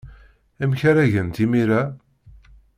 Amek ara gent imir-a?